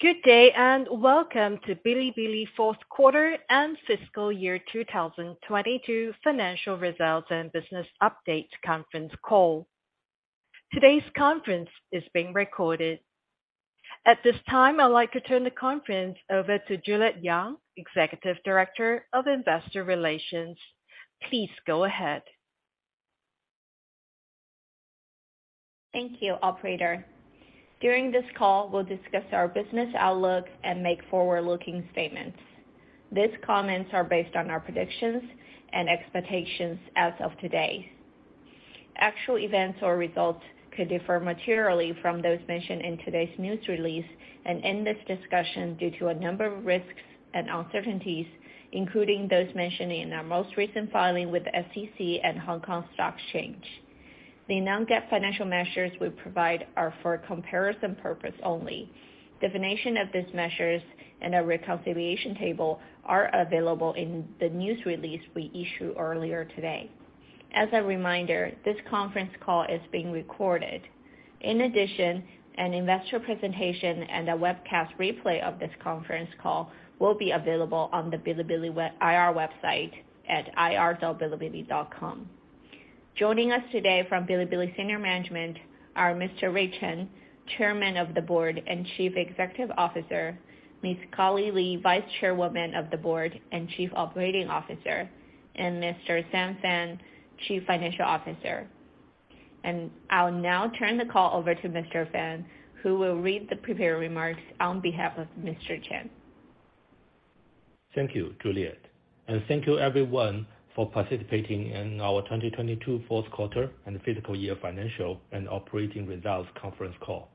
Good day, and welcome to Bilibili fourth quarter and fiscal year 2022 financial results and business update conference call. Today's conference is being recorded. At this time, I'd like to turn the conference over to Juliet Yang, Executive Director of Investor Relations. Please go ahead. Thank you, operator. During this call, we'll discuss our business outlook and make forward-looking statements. These comments are based on our predictions and expectations as of today. Actual events or results could differ materially from those mentioned in today's news release and in this discussion due to a number of risks and uncertainties, including those mentioned in our most recent filing with the SEC and Hong Kong Stock Exchange. The non-GAAP financial measures we provide are for comparison purpose only. Definition of these measures and a reconciliation table are available in the news release we issued earlier today. As a reminder, this conference call is being recorded. In addition, an investor presentation and a webcast replay of this conference call will be available on the Bilibili web, IR website at ir.bilibili.com. Joining us today from Bilibili senior management are Mr. Rui Chen, Chairman of the Board and Chief Executive Officer, Ms. Carly Li, Vice Chairwoman of the Board and Chief Operating Officer, and Mr. Sam Fan, Chief Financial Officer. I'll now turn the call over to Mr. Fan, who will read the prepared remarks on behalf of Mr. Chen. Thank you, Juliet. Thank you everyone for participating in our 2022 fourth quarter and fiscal year financial and operating results conference call.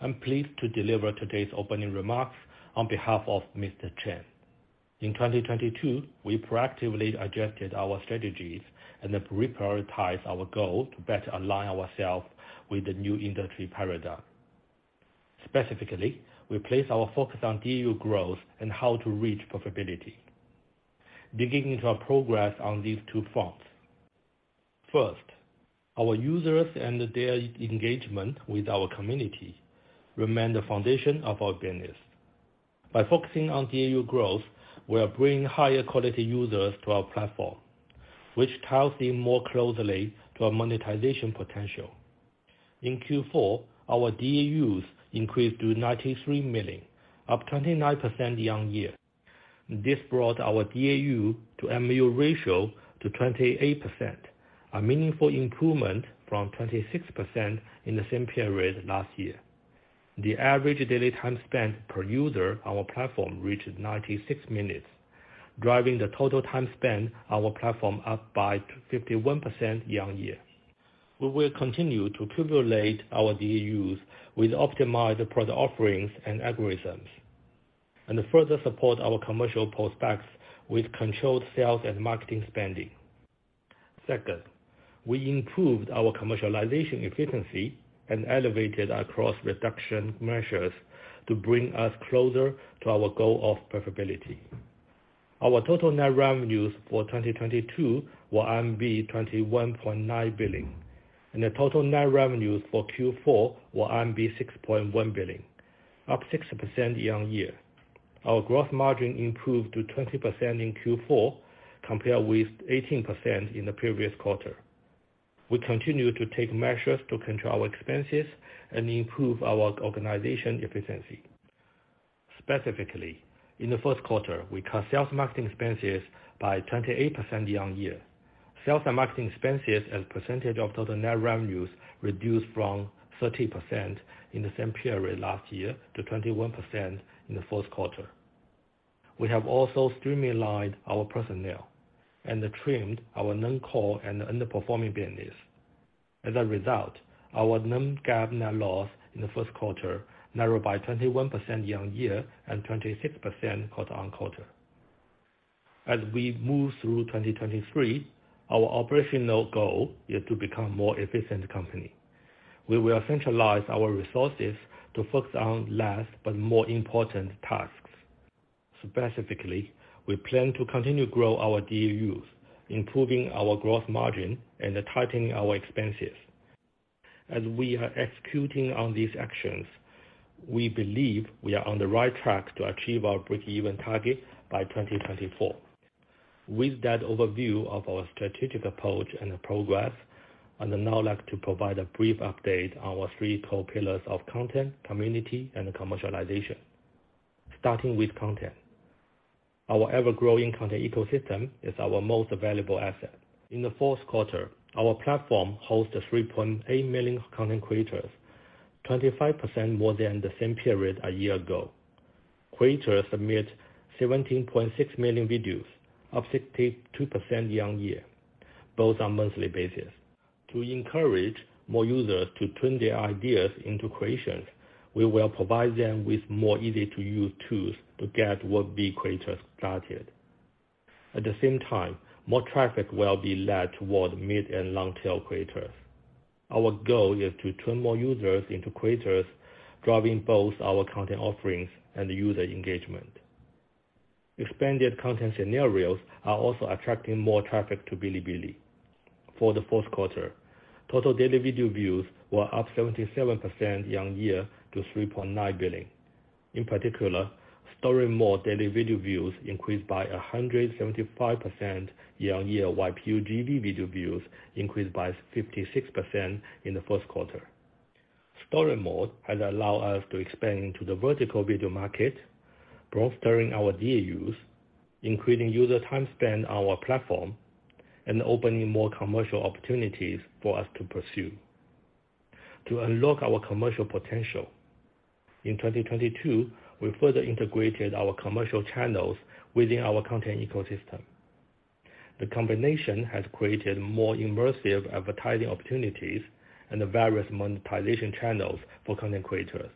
I'm pleased to deliver today's opening remarks on behalf of Mr. Chen. In 2022, we proactively adjusted our strategies and reprioritized our goal to better align ourselves with the new industry paradigm. Specifically, we place our focus on DAU growth and how to reach profitability. Beginning to our progress on these two fronts. First, our users and their engagement with our community remain the foundation of our business. By focusing on DAU growth, we are bringing higher quality users to our platform, which ties in more closely to our monetization potential. In Q4, our DAUs increased to 93 million, up 29% year-on-year. This brought our DAU to MAU ratio to 28%, a meaningful improvement from 26% in the same period last year. The average daily time spent per user on our platform reached 96 minutes, driving the total time spent on our platform up by 51% year-on-year. We will continue to cultivate our DAUs with optimized product offerings and algorithms, and further support our commercial prospects with controlled sales and marketing spending. Second, we improved our commercialization efficiency and elevated our cost reduction measures to bring us closer to our goal of profitability. Our total net revenues for 2022 were 21.9 billion, and the total net revenues for Q4 were 6.1 billion, up 6% year-on-year. Our gross margin improved to 20% in Q4, compared with 18% in the previous quarter. We continue to take measures to control our expenses and improve our organization efficiency. Specifically, in the first quarter, we cut sales marketing expenses by 28% year-on-year. Sales and marketing expenses as a percentage of total net revenues reduced from 30% in the same period last year to 21% in the fourth quarter. We have also streamlined our personnel and trimmed our non-core and underperforming business. As a result, our non-GAAP net loss in the first quarter narrowed by 21% year-on-year and 26% quarter-on-quarter. As we move through 2023, our operational goal is to become more efficient company. We will centralize our resources to focus on less but more important tasks. Specifically, we plan to continue grow our DAUs, improving our gross margin and tightening our expenses. As we are executing on these actions, we believe we are on the right track to achieve our break-even target by 2024. With that overview of our strategic approach and progress, I'd now like to provide a brief update on our three core pillars of content, community, and commercialization. Starting with content. Our ever-growing content ecosystem is our most valuable asset. In the fourth quarter, our platform hosts 3.8 million content creators, 25% more than the same period a year ago. Creators submit 17.6 million videos, up 62% year-on-year, both on monthly basis. To encourage more users to turn their ideas into creations, we will provide them with more easy-to-use tools to get would-be creators started. At the same time, more traffic will be led toward mid and long-tail creators. Our goal is to turn more users into creators, driving both our content offerings and user engagement. Expanded content scenarios are also attracting more traffic to Bilibili. For the fourth quarter, total daily video views were up 77% year-on-year to 3.9 billion. In particular, Story Mode daily video views increased by 175% year-on-year, while PUGV video views increased by 56% in the first quarter. Story Mode has allowed us to expand into the vertical video market, bolstering our DAUs, increasing user time spent on our platform, and opening more commercial opportunities for us to pursue. To unlock our commercial potential, in 2022, we further integrated our commercial channels within our content ecosystem. The combination has created more immersive advertising opportunities and various monetization channels for content creators.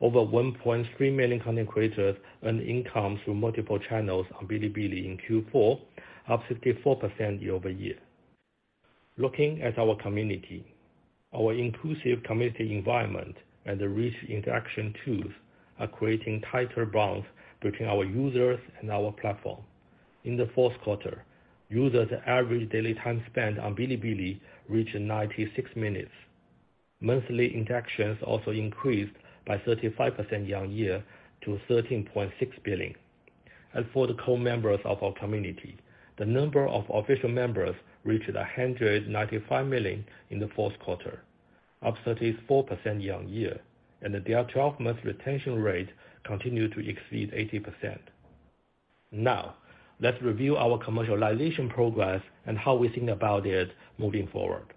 Over 1.3 million content creators earned income through multiple channels on Bilibili in Q4, up 64% year-over-year. Looking at our community, our inclusive community environment and rich interaction tools are creating tighter bonds between our users and our platform. In the fourth quarter, users' average daily time spent on Bilibili reached 96 minutes. Monthly injections also increased by 35% year-on-year to 13.6 billion. As for the core members of our community, the number of official members reached 195 million in the fourth quarter, up 34% year-on-year, and their 12-month retention rate continued to exceed 80%. Now, let's review our commercialization progress and how we think about it moving forward.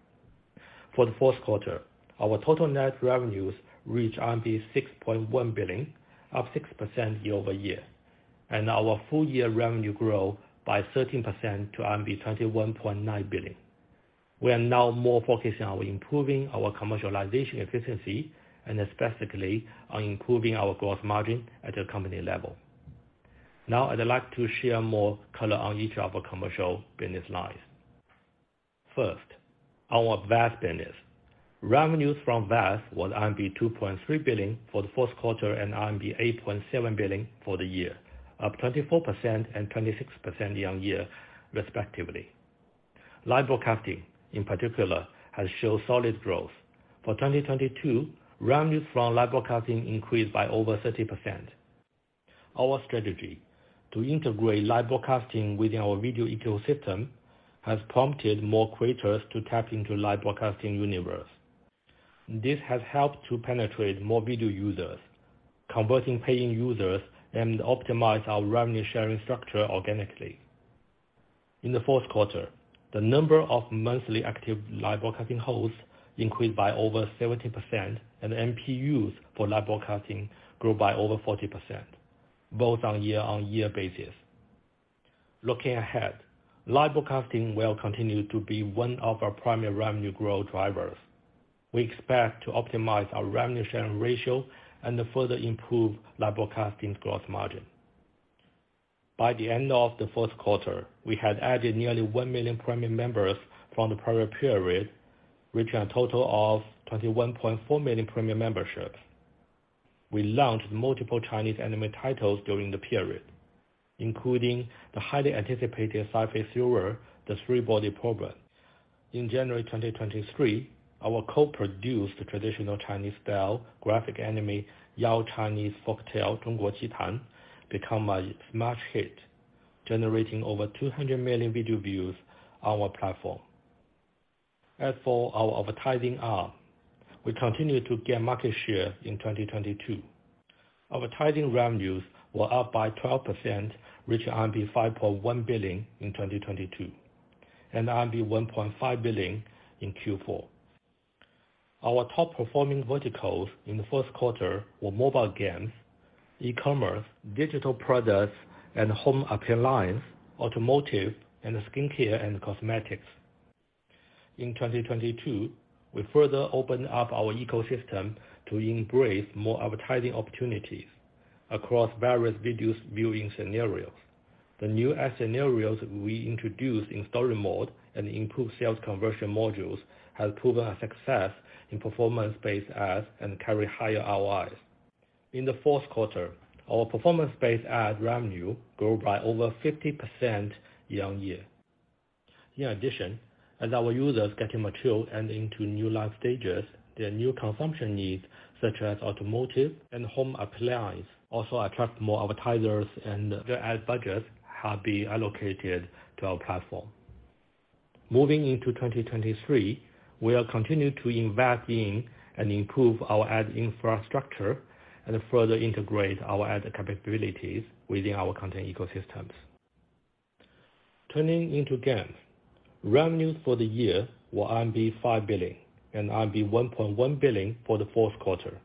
For the fourth quarter, our total net revenues reached RMB 6.1 billion, up 6% year-over-year. Our full year revenue grew by 13% to RMB 21.9 billion. We are now more focused on improving our commercialization efficiency and specifically on improving our gross margin at a company level. I'd like to share more color on each of our commercial business lines. First, our VAS business. Revenues from VAS was RMB 2.3 billion for the fourth quarter and RMB 8.7 billion for the year, up 24% and 26% year-on-year respectively. Live broadcasting, in particular, has shown solid growth. For 2022, revenues from live broadcasting increased by over 30%. Our strategy to integrate live broadcasting within our video ecosystem has prompted more creators to tap into live broadcasting universe. This has helped to penetrate more video users, converting paying users, and optimize our revenue sharing structure organically. In the fourth quarter, the number of monthly active live broadcasting hosts increased by over 70%, and MPUs for live broadcasting grew by over 40%, both on year-on-year basis. Looking ahead, live broadcasting will continue to be one of our primary revenue growth drivers. We expect to optimize our revenue sharing ratio and to further improve live broadcasting gross margin. By the end of the fourth quarter, we had added nearly 1 million premium members from the prior period, reaching a total of 21.4 million premium memberships. We launched multiple Chinese anime titles during the period, including the highly anticipated sci-fi thriller, The Three-Body Problem. In January 2023, our co-produced traditional Chinese style graphic anime, Yao Chinese Folktales: Zhongguo Qitan, become a smash hit, generating over 200 million video views on our platform. As for our advertising arm, we continued to gain market share in 2022. Advertising revenues were up by 12%, reaching RMB 5.1 billion in 2022, and RMB 1.5 billion in Q4. Our top performing verticals in the first quarter were mobile games, e-commerce, digital products, and home appliance, automotive, and skincare and cosmetics. In 2022, we further opened up our ecosystem to embrace more advertising opportunities across various videos viewing scenarios. The new ad scenarios we introduced in Story Mode and improved sales conversion modules has proven a success in performance-based ads and carry higher ROIs. In the fourth quarter, our performance-based ads revenue grew by over 50% year-on-year. In addition, as our users getting mature and into new life stages, their new consumption needs, such as automotive and home appliance, also attract more advertisers, and their ad budgets have been allocated to our platform. Moving into 2023, we are continuing to invest in and improve our ad infrastructure, and further integrate our ad capabilities within our content ecosystems. Turning into games. Revenues for the year were RMB 5 billion, and RMB 1.1 billion for the fourth quarter.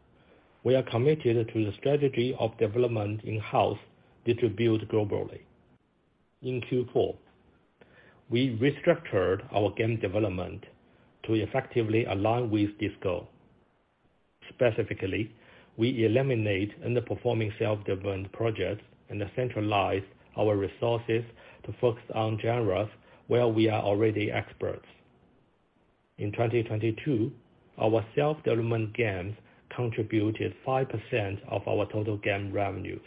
We are committed to the strategy of development in-house distributed globally. In Q4, we restructured our game development to effectively align with this goal. Specifically, we eliminate underperforming self-developed projects and centralize our resources to focus on genres where we are already experts. In 2022, our self-development games contributed 5% of our total game revenues.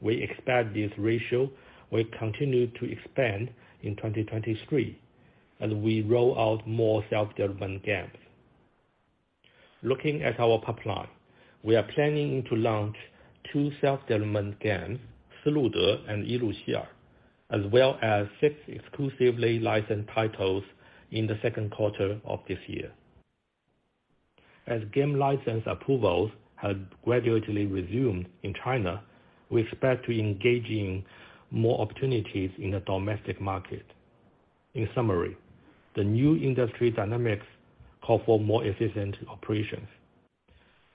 We expect this ratio will continue to expand in 2023 as we roll out more self-development games. Looking at our pipeline, we are planning to launch two self-development games, THRUD and Yiluxi'er, as well as six exclusively licensed titles in the second quarter of this year. As game license approvals have gradually resumed in China, we expect to engage in more opportunities in the domestic market. In summary, the new industry dynamics call for more efficient operations.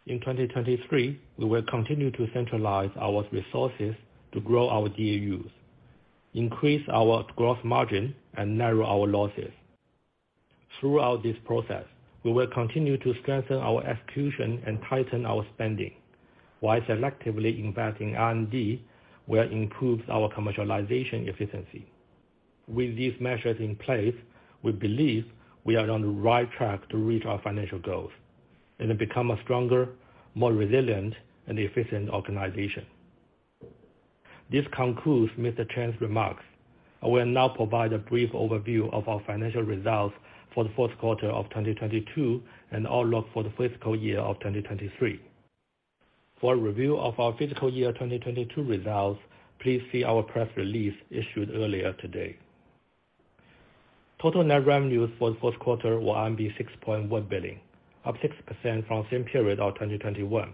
In 2023, we will continue to centralize our resources to grow our DAUs, increase our gross margin, and narrow our losses. Throughout this process, we will continue to strengthen our execution and tighten our spending while selectively investing R&D will improve our commercialization efficiency. With these measures in place, we believe we are on the right track to reach our financial goals and become a stronger, more resilient, and efficient organization. This concludes Mr. Chen's remarks. I will now provide a brief overview of our financial results for the fourth quarter of 2022 and outlook for the fiscal year of 2023. For a review of our fiscal year 2022 results, please see our press release issued earlier today. Total net revenues for the fourth quarter were 6.1 billion, up 6% from same period of 2021.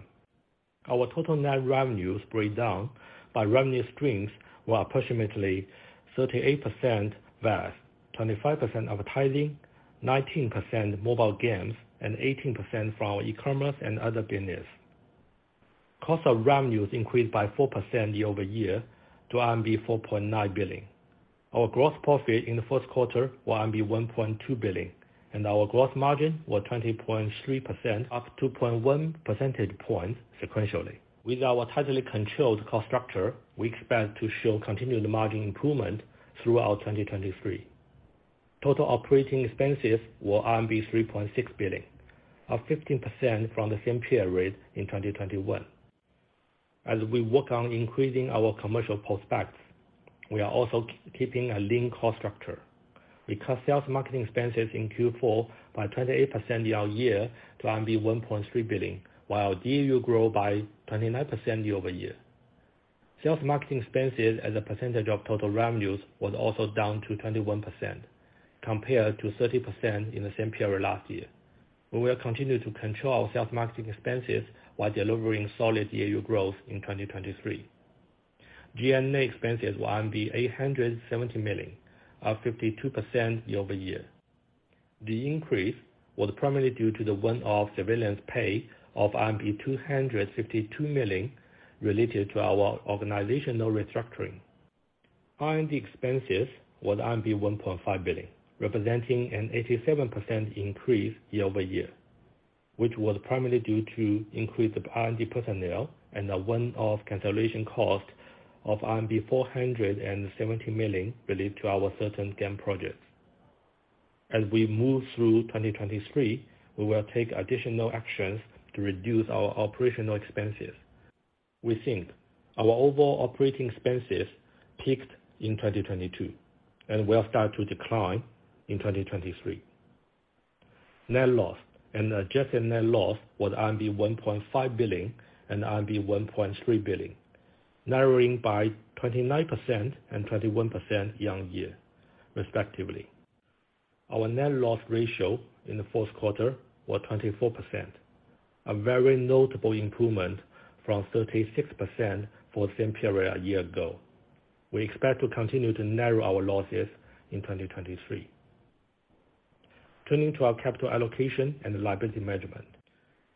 Our total net revenues breakdown by revenue streams were approximately 38% VAS, 25% advertising, 19% mobile games, and 18% from our e-commerce and other business. Cost of revenues increased by 4% year-over-year to RMB 4.9 billion. Our gross profit in the fourth quarter were RMB 1.2 billion, and our gross margin was 20.3%, up 2.1 percentage points sequentially. With our tightly controlled cost structure, we expect to show continued margin improvement throughout 2023. Total operating expenses were RMB 3.6 billion, up 15% from the same period in 2021. As we work on increasing our commercial prospects, we are also keeping a lean cost structure. We cut sales marketing expenses in Q4 by 28% year-on-year to 1.3 billion, while DAU grew by 29% year-over-year. Sales marketing expenses as a percentage of total revenues was also down to 21% compared to 30% in the same period last year. We will continue to control sales marketing expenses while delivering solid DAU growth in 2023. G&A expenses were RMB 870 million, up 52% year-over-year. The increase was primarily due to the one-off severance pay of 252 million related to our organizational restructuring. R&D expenses was RMB 1.5 billion, representing an 87% increase year-over-year, which was primarily due to increased R&D personnel and a one-off cancellation cost of RMB 470 million related to our certain game projects. As we move through 2023, we will take additional actions to reduce our operational expenses. We think our overall operating expenses peaked in 2022 and will start to decline in 2023. Net loss and adjusted net loss was RMB 1.5 billion and RMB 1.3 billion, narrowing by 29% and 21% year-on-year respectively. Our net loss ratio in the fourth quarter was 24%, a very notable improvement from 36% for the same period a year ago. We expect to continue to narrow our losses in 2023. Turning to our capital allocation and liability management.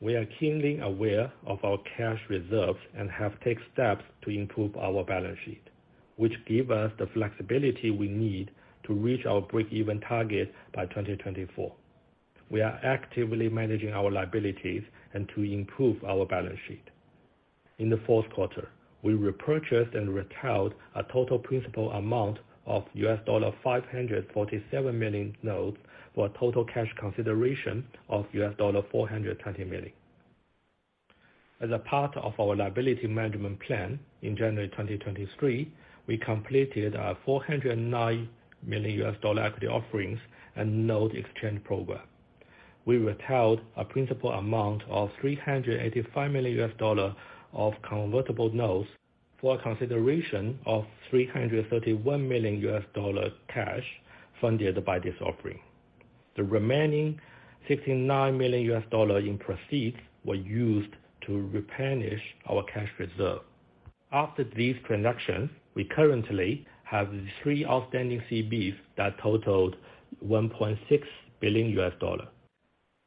We are keenly aware of our cash reserves and have take steps to improve our balance sheet, which give us the flexibility we need to reach our break-even target by 2024. We are actively managing our liabilities and to improve our balance sheet. In the fourth quarter, we repurchased and retired a total principal amount of $547 million notes for a total cash consideration of $420 million. A part of our liability management plan in January 2023, we completed a $409 million equity offerings and note exchange program. We retired a principal amount of $385 million of convertible notes for a consideration of $331 million cash funded by this offering. The remaining $69 million in proceeds were used to replenish our cash reserve. After this transaction, we currently have three outstanding CBs that totaled $1.6 billion.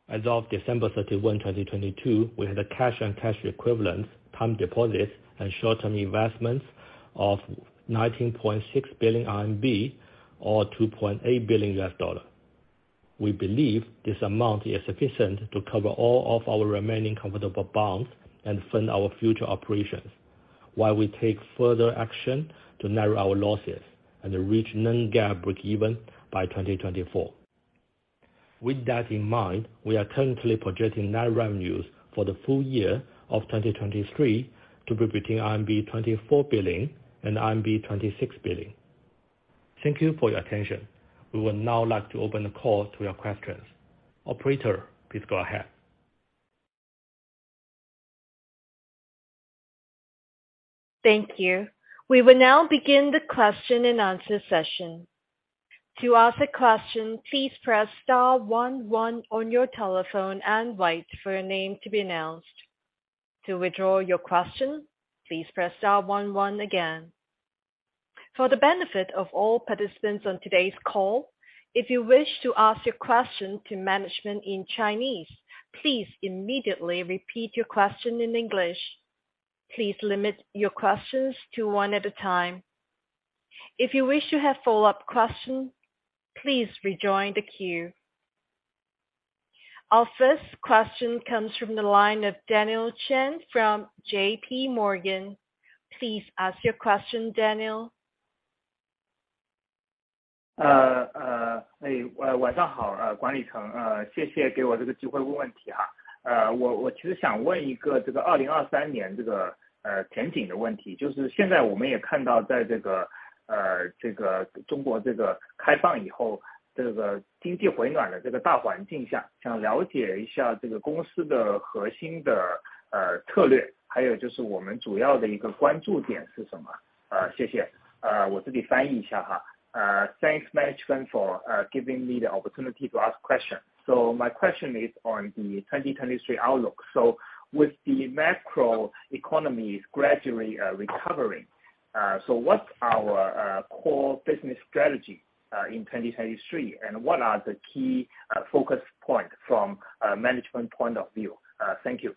As of December 31, 2022, we had a cash and cash equivalents, time deposits, and short-term investments of RMB 19.6 billion or $2.8 billion. We believe this amount is sufficient to cover all of our remaining convertible bonds and fund our future operations. While we take further action to narrow our losses and reach non-GAAP breakeven by 2024. With that in mind, we are currently projecting net revenues for the full year of 2023 to be between RMB 24 billion and RMB 26 billion. Thank you for your attention. We would now like to open the call to your questions. Operator, please go ahead. Thank you. We will now begin the question and answer session. To ask a question, please press star one one on your telephone and wait for your name to be announced. To withdraw your question, please press star one one again. For the benefit of all participants on today's call, if you wish to ask your question to management in Chinese, please immediately repeat your question in English. Please limit your questions to one at a time. If you wish to have follow-up question, please rejoin the queue. Our first question comes from the line of Daniel Chen from JPMorgan. Please ask your question, Daniel. hey, 晚上 好， 管理 层， 谢谢给我这个机会问问题。我其实想问一个这个 2023年 这 个， 前景的问 题， 就是现在我们也看到在这 个， 这个中国这个开放以 后， 这个经济回暖的这个大环境 下， 想了解一下这个公司的核心 的， 策 略， 还有就是我们主要的一个关注点是什 么？ 谢谢。我自己翻译一下。Thanks, management for giving me the opportunity to ask question. My question is on the 2023 outlook. With the macro economy gradually recovering, what's our core business strategy in 2023? What are the key focus point from a management point of view? Thank you.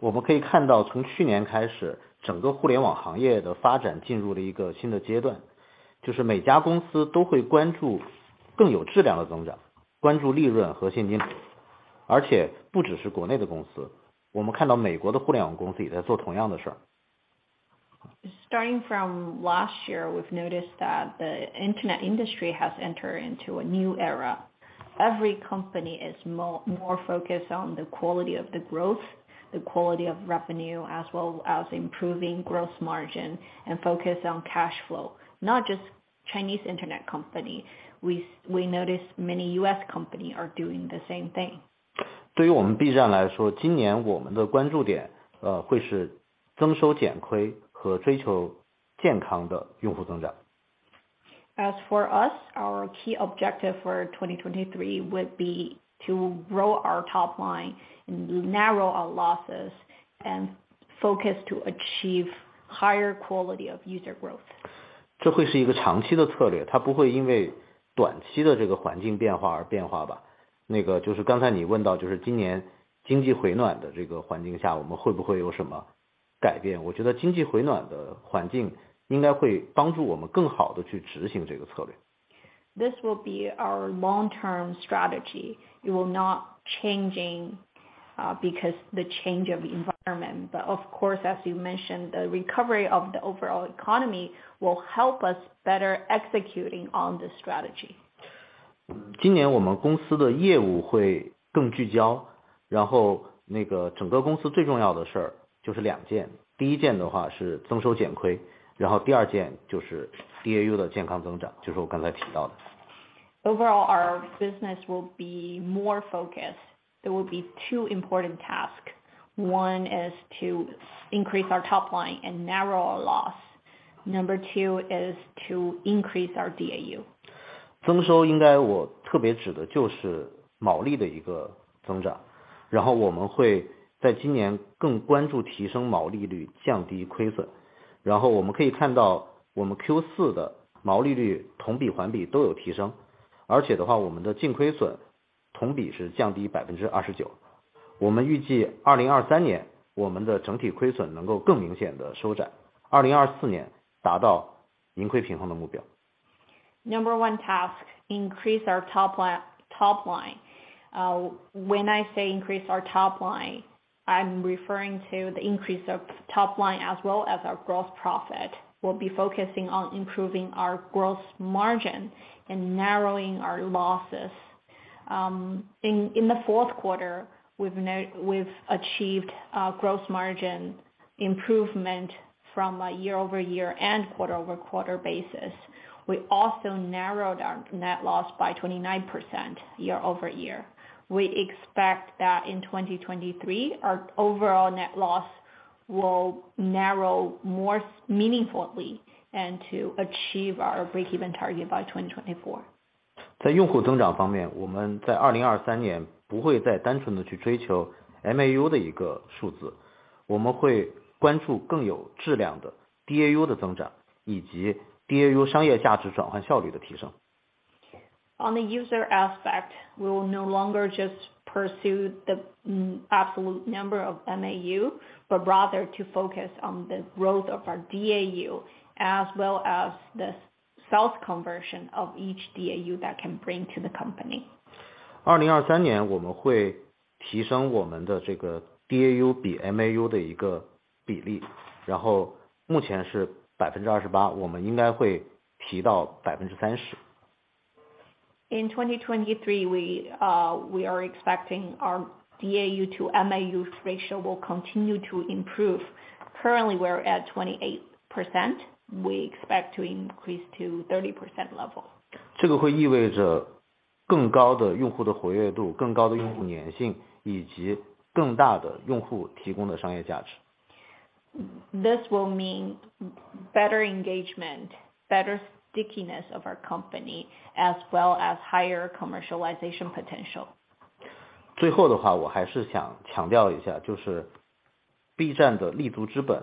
我们可以看到从去年开 始， 整个互联网行业的发展进入了一个新的阶 段， 就是每家公司都会关注更有质量的增 长， 关注利润和现金流。不只是国内的公 司， 我们看到美国的互联网公司也在做同样的事。Starting from last year, we've noticed that the internet industry has entered into a new era. Every company is more focused on the quality of the growth, the quality of revenue, as well as improving gross margin and focus on cash flow. Not just Chinese internet company, we noticed many U.S. company are doing the same thing. 对于我们 Bilibili 来 说， 今年我们的关注点会是增收减亏和追求健康的用户增长。For us, our key objective for 2023 would be to grow our top line and narrow our losses and focus to achieve higher quality of user growth. 这会是一个长期的策 略， 它不会因为短期的这个环境变化而变化吧。那个就是刚才你问 到， 就是今年经济回暖的这个环境 下， 我们会不会有什么改 变？ 我觉得经济回暖的环境应该会帮助我们更好地去执行这个策略。This will be our long-term strategy. It will not changing because the change of environment. Of course, as you mentioned, the recovery of the overall economy will help us better executing on this strategy. 今年我们公司的业务会更聚焦。整个公司最重要的事就是 two 件。第 first 件的话是增收减亏。第 second 件就是 DAU 的健康增 长， 就是我刚才提到的。Overall, our business will be more focused. There will be two important tasks. One is to increase our top line and narrow our loss. Number two is to increase our DAU. 增收应该我特别指的就是毛利的一个增 长， 然后我们会在今年更关注提升毛利 率， 降低亏损。然后我们可以看到我们 Q4 的毛利率同比、环比都有提 升， 而且的话我们的净亏损同比是降低百分之二十九。我们预计二零二三年我们的整体亏损能够更明显地收 窄， 二零二四年达到盈亏平衡的目标。Number one task, increase our top line. When I say increase our top line, I'm referring to the increase of top line as well as our gross profit. We'll be focusing on improving our gross margin and narrowing our losses. In the fourth quarter, we've achieved a gross margin improvement from a year-over-year and quarter-over-quarter basis. We also narrowed our net loss by 29% year-over-year. We expect that in 2023, our overall net loss will narrow more meaningfully and to achieve our breakeven target by 2024. 在用户增长方 面, 我们在2023年不会再单纯地去追求 MAU 的一个数 字, 我们会关注更有质量的 DAU 的增 长, 以及 DAU 商业价值转换效率的提 升. On the user aspect, we will no longer just pursue the absolute number of MAU, but rather to focus on the growth of our DAU as well as the sales conversion of each DAU that can bring to the company. 2023年我们会提升我们的这个 DAU 比 MAU 的一个比 例， 然后目前是百分之二十 八， 我们应该会提到百分之三十。In 2023, we are expecting our DAU to MAU ratio will continue to improve. Currently we're at 28%. We expect to increase to 30% level. 这个会意味着更高的用户的活跃 度， 更高的用户粘 性， 以及更大的用户提供的商业价值。This will mean better engagement, better stickiness of our company as well as higher commercialization potential. 最后的话我还是想强调一 下， 就是 B 站的立足之本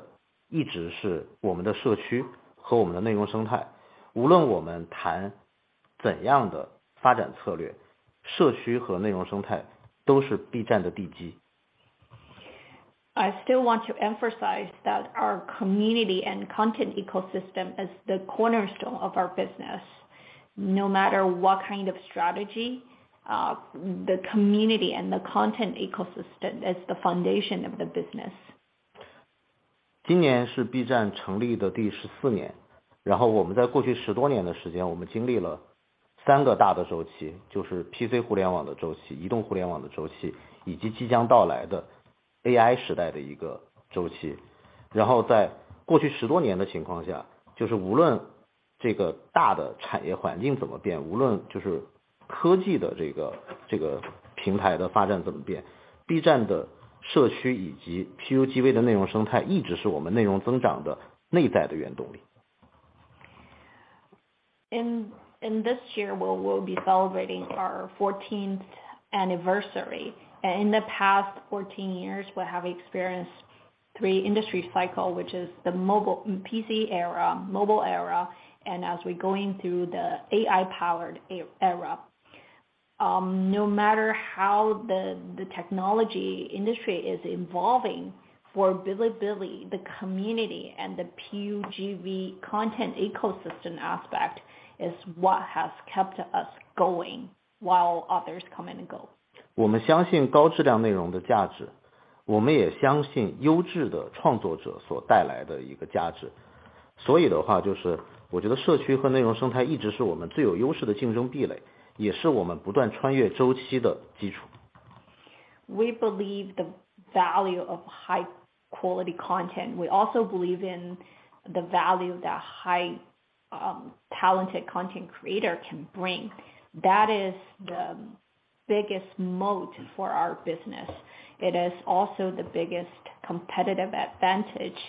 一直是我们的社区和我们的内容生 态. 无论我们谈怎样的发展策 略， 社区和内容生态都是 B 站的地 基. I still want to emphasize that our community and content ecosystem is the cornerstone of our business. No matter what kind of strategy, the community and the content ecosystem is the foundation of the business. 今年是 B 站成立的第十四 年， 然后我们在过去十多年的时 间， 我们经历了三个大的周 期， 就是 PC 互联网的周 期， 移动互联网的周 期， 以及即将到来的 AI 时代的一个周期。然后在过去十多年的情况 下， 就是无论这个大的产业环境怎么 变， 无论就是科技的这 个， 这个平台的发展怎么 变， B 站的社区以及 PUGV 的内容生态一直是我们内容增长的内在的原动力。In this year, we'll be celebrating our 14th anniversary. In the past 14 years, we have experienced three industry cycle, which is the PC era, mobile era, and as we're going through the AI-powered e-era. No matter how the technology industry is evolving, for Bilibili, the community and the PUGV content ecosystem aspect is what has kept us going while others come and go. 我们相信高质量内容的价 值， 我们也相信优质的创作者所带来的一个价值。所以的 话， 就是我觉得社区和内容生态一直是我们最有优势的竞争壁 垒， 也是我们不断穿越周期的基础。We believe the value of high-quality content. We also believe in the value that high, talented content creator can bring. That is the biggest moat for our business. It is also the biggest competitive advantage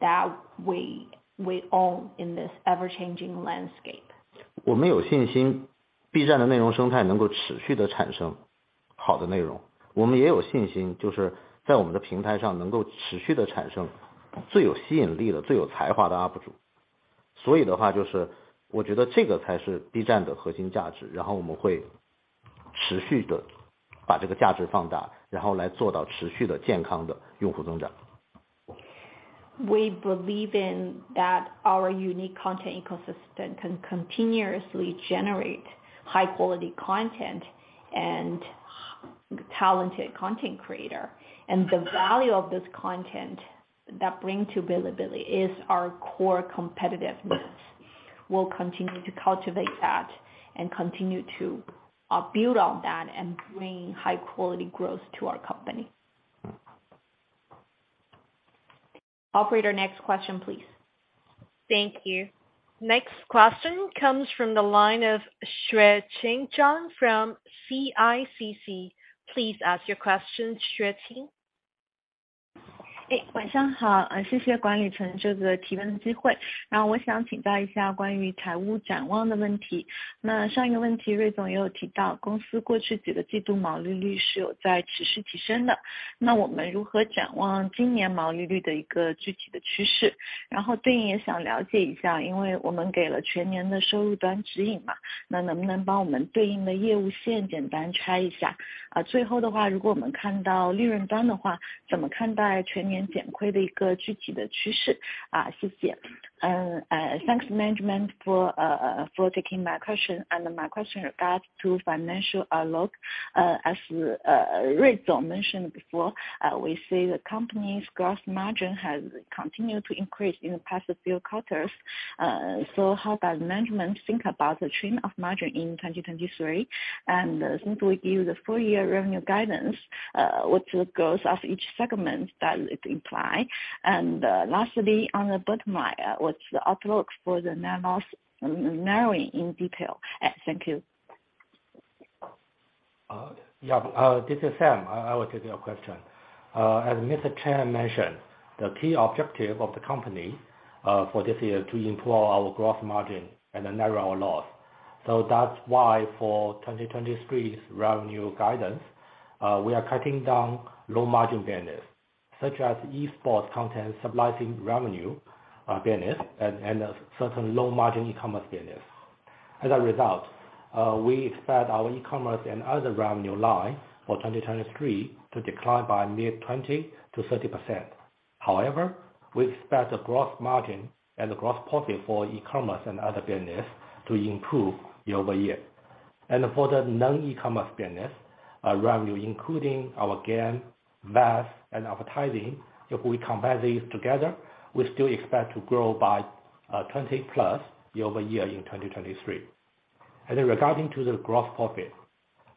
that we own in this ever-changing landscape. 我们有信心 B 站的内容生态能够持续地产生好的内容。我们也有信 心， 就是在我们的平台上能够持续地产生最有吸引力的、最有才华的 UP主。所以的 话， 就是我觉得这个才是 B 站的核心价 值， 然后我们会持续地把这个价值放 大， 然后来做到持续的健康的用户增长。We believe in that our unique content ecosystem can continuously generate high-quality content and talented content creator. The value of this content that bring to Bilibili is our core competitiveness. We'll continue to cultivate that and continue to build on that and bring high-quality growth to our company. Operator, next question, please. Thank you. Next question comes from the line of Xueqing Zhang from CICC. Please ask your question, Xueqing. 哎， 晚上 好， 谢谢管理层这次提问的机会。那我想请教一下关于财务展望的问题。那上一个问 题， 锐总也有提 到， 公司过去几个季度毛利率是有在持续提升 的， 那我们如何展望今年毛利率的一个具体的趋 势？ 然后对应也想了解一 下， 因为我们给了全年的收入端指引 嘛， 那能不能帮我们对应的业务线简单拆一下。啊最后的 话， 如果我们看到利润端的 话， 怎么看待全年减亏的一个具体的趋 势？ 啊， 谢谢。Uh, thanks management for, uh, uh, for taking my question and my question regards to financial outlook. As Rui Chen mentioned before, we see the company's gross margin has continued to increase in the past few quarters. How does management think about the trend of margin in 2023? Since we give the full year revenue guidance, what the growth of each segment does it imply? Lastly, on the bottom line, what's the outlook for the net loss narrowing in detail? Thank you. Yeah, this is Sam. I will take your question. As Mr. Chen mentioned, the key objective of the company for this year to improve our gross margin and narrow our loss. That's why for 2023 revenue guidance, we are cutting down low margin business, such as esports content, supplies revenue business and certain low margin e-commerce business. As a result, we expect our e-commerce and other revenue line for 2023 to decline by mid 20%-30%. However, we expect the gross margin and the gross profit for e-commerce and other business to improve year-over-year. For the non-e-commerce business, our revenue, including our game, VAS, and advertising, if we combine these together, we still expect to grow by 20%+ year-over-year in 2023. Regarding to the gross profit,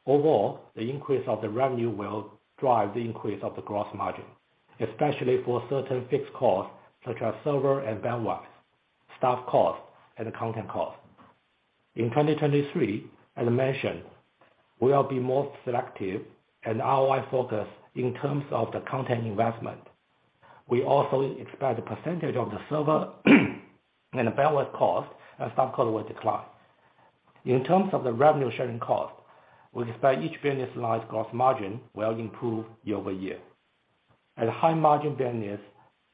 overall, the increase of the revenue will drive the increase of the gross margin, especially for certain fixed costs such as server and bandwidth, staff costs, and content costs. In 2023, as mentioned, we'll be more selective and ROI focus in terms of the content investment. We also expect the percentage of the server and the bandwidth cost and staff cost will decline. In terms of the revenue sharing cost, we expect each business line's gross margin will improve year-over-year. As high margin business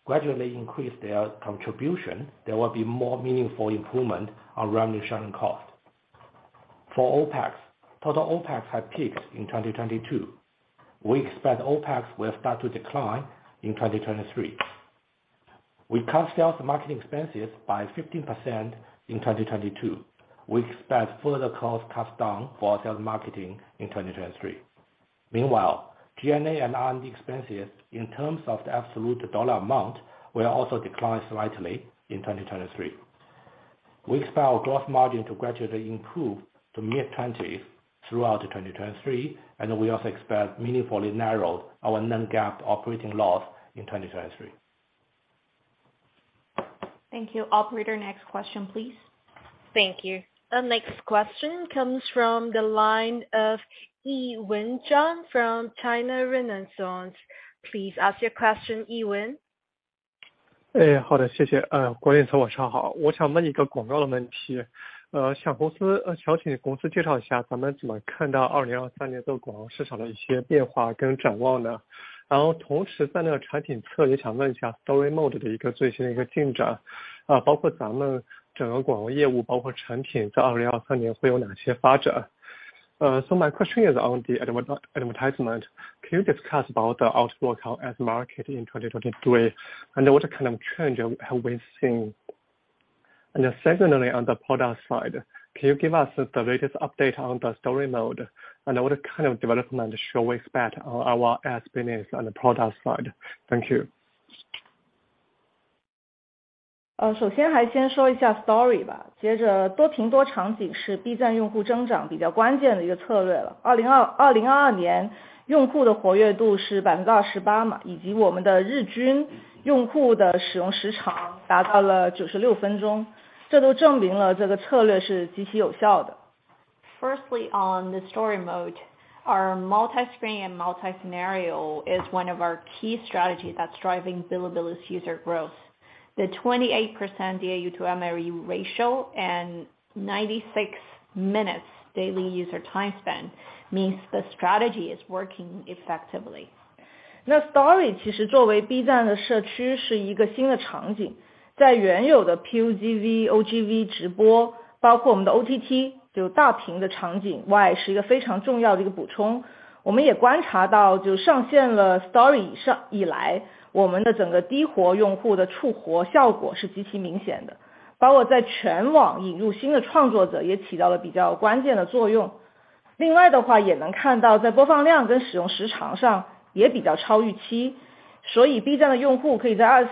gradually increase their contribution, there will be more meaningful improvement on revenue sharing cost. For OpEx, total OpEx have peaked in 2022. We expect OpEx will start to decline in 2023. We cut sales marketing expenses by 15% in 2022. We expect further cost cuts down for sales marketing in 2023. Meanwhile, G&A and R&D expenses in terms of the absolute dollar amount will also decline slightly in 2023. We expect our gross margin to gradually improve to mid-twenties throughout the 2023, and we also expect meaningfully narrow our non-GAAP operating loss in 2023. Thank you. Operator, next question, please. Thank you. The next question comes from the line of Yiwen Zhang from China Renaissance. Please ask your question, Yiwen. My question is on the advertisement. Can you discuss about the outlook of ads market in 2023 and what kind of trend have we seen? Secondly, on the product side, can you give us the latest update on the Story Mode and what kind of development should we expect on our ads business on the product side? Thank you. Firstly, on the Story Mode, our multi-screen and multi-scenario is one of our key strategies that's driving Bilibili's user growth. The 28% DAU to MAU ratio and 96 minutes daily user time spent means the strategy is working effectively. Story Mode as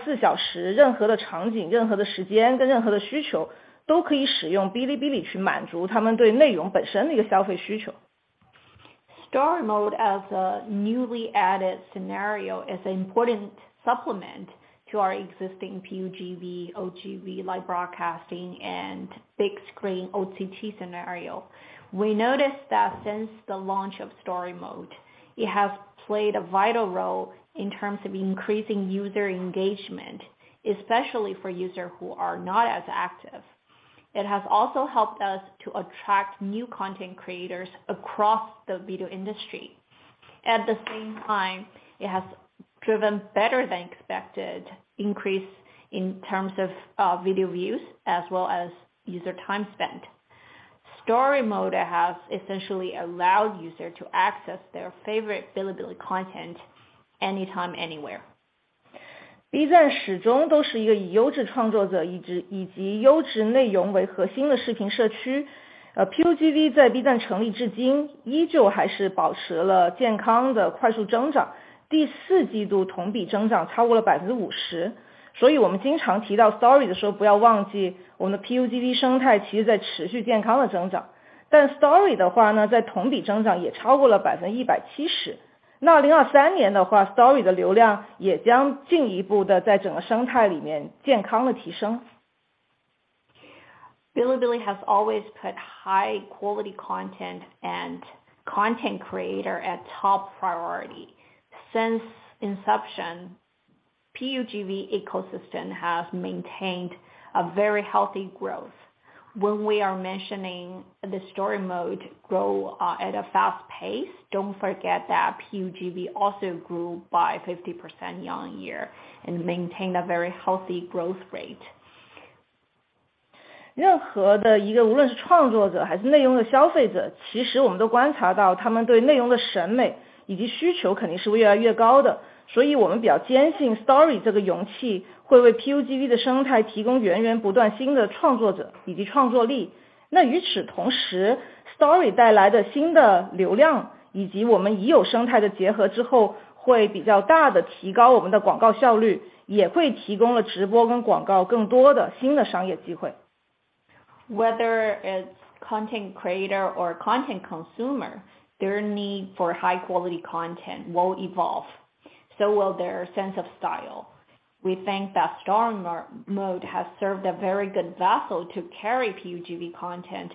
a newly added scenario is an important supplement to our existing PUGV, OGV live broadcasting and big screen OTT scenario. We noticed that since the launch of Story Mode, it has played a vital role in terms of increasing user engagement, especially for user who are not as active. It has also helped us to attract new content creators across the video industry. At the same time, it has driven better than expected increase in terms of video views as well as user time spent. Story Mode has essentially allowed user to access their favorite Bilibili content anytime, anywhere. Bilibili has always put high quality content and content creator at top priority. Since inception, PUGV ecosystem has maintained a very healthy growth. When we are mentioning the Story Mode grow, at a fast pace, don't forget that PUGV also grew by 50% year-on-year and maintained a very healthy growth rate. 任何的一 个， 无论是创作者还是内容的消费 者， 其实我们都观察到他们对内容的审美以及需求肯定是越来越高的。我们比较坚信 Story 这个容器会为 PUGV 的生态提供源源不断新的创作者以及创作力。与此同 时， Story 带来的新的流量以及我们已有生态的结合之 后， 会比较大地提高我们的广告效 率， 也会提供了直播跟广告更多的新的商业机会。Whether it's content creator or content consumer, their need for high quality content will evolve, so will their sense of style. We think that Story Mode has served a very good vessel to carry PUGV content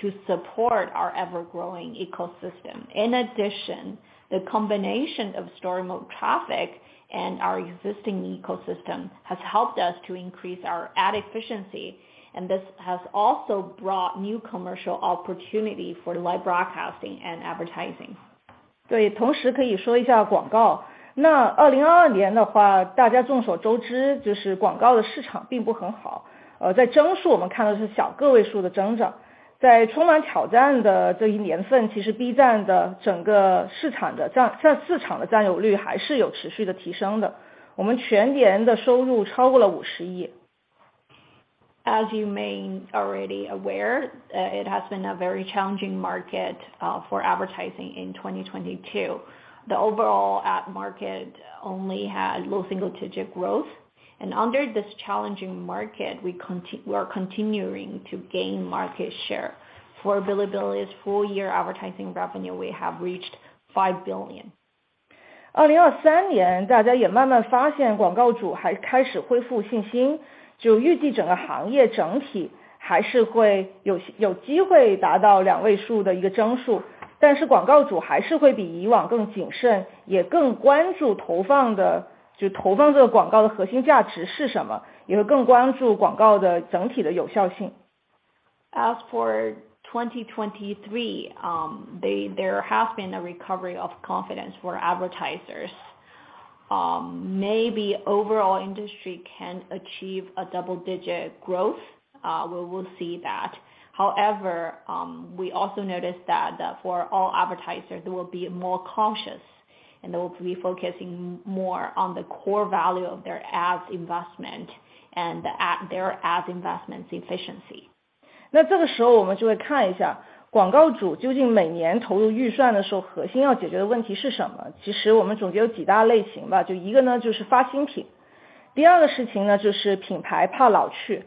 to support our ever growing ecosystem. In addition, the combination of Story Mode traffic and our existing ecosystem has helped us to increase our ad efficiency, and this has also brought new commercial opportunity for live broadcasting and advertising. 对，同时可以 说一下 广告。2022 年的 话，大家 众所周知就是广告的市场并不 很好，而 在增速我们看到的是小个位数的增长。在充满挑战的这一年 份，其实 B 站的市场的占有率还是有持续的提升 的，我们 全年的收入超过了 RMB 5 billion。As you may already aware, it has been a very challenging market for advertising in 2022. The overall ad market only had low single digit growth. Under this challenging market, we are continuing to gain market share. For Bilibili's full year advertising revenue, we have reached 5 billion. 2023年大家也慢慢发 现， 广告主还开始恢复信 心， 就预计整个行业整体还是会有有机会达到两位数的一个增速，但是广告主还是会比以往更谨 慎， 也更关注投放 的， 就投放这个广告的核心价值是什 么， 也会更关注广告的整体的有效性。As for 2023, there has been a recovery of confidence for advertisers. Maybe overall industry can achieve a double-digit growth. We will see that. However, we also noticed that, for all advertisers, they will be more cautious and they will be focusing more on the core value of their ads investment, and their ads investments efficiency. 那这个时候我们就会看 一下， 广告主究竟每年投入预算的 时候， 核心要解决的问题是什么。其实我们总结有几大类型 吧， 就一个呢就是发新品。第二个事情 呢， 就是品牌怕 老去，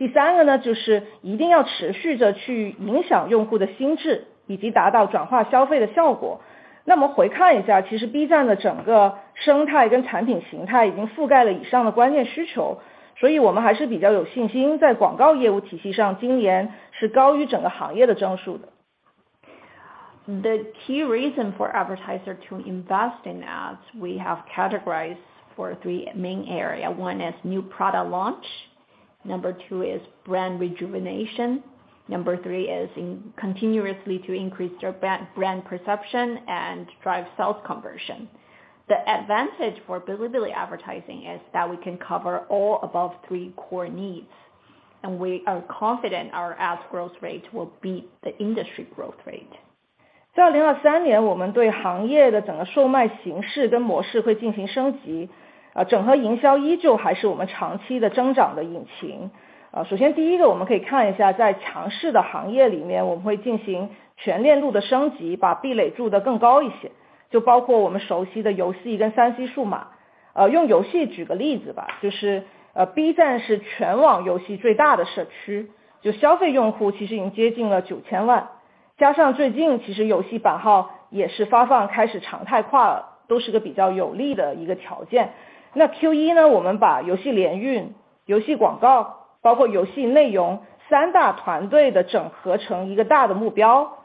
必须做持续的渗透。第三个 呢， 就是一定要持续着去影响用户的 心智， 以及达到转化消费的效果。那么回看 一下， 其实 B 站的整个生态跟产品形态已经覆盖了以上的关键 需求， 所以我们还是比较有信心在广告业务体系 上， 今年是高于整个行业的增速的。The key reason for advertiser to invest in ads, we have categorized for three main area. One is new product launch. Two is brand rejuvenation. Three is in continuously to increase their brand perception and drive sales conversion. The advantage for Bilibili advertising is that we can cover all above three core needs. We are confident our ads growth rate will beat the industry growth rate. 在2023 年， 我们对行业的整个售卖形式跟模式会进行升 级， 而整合营销依旧还是我们长期的增长的引擎。呃， 首先第一个我们可以看一 下， 在强势的行业里 面， 我们会进行全链路的升 级， 把壁垒筑得更高一 些， 就包括我们熟悉的游戏跟 3C 数码。呃， 用游戏举个例子 吧， 就 是， 呃， B 站是全网游戏最大的社 区， 就消费用户其实已经接近了九千 万， 加上最近其实游戏版号也是发放开始常态化 了， 都是个比较有利的一个条件。那 Q1 呢， 我们把游戏联运、游戏广 告， 包括游戏内容三大团队的整合成一个大的目 标，